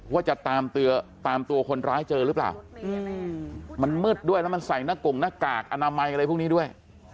ว่าจะตามตัวคนร้ายเจอหรือเปล่ามันมืดด้วยแล้วมันใส่หน้ากงหน้ากากอนามัยอะไรพวกนี้ด้วย